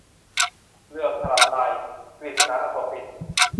เลื่อมสลับลาย - กฤษณา อโศกสิน